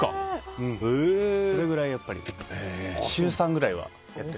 それくらい週３くらいはやってる。